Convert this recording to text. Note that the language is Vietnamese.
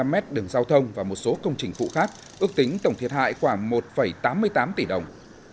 năm mét đường giao thông và một số công trình phụ khác ước tính tổng thiệt hại khoảng một tám mươi tám tỷ đồng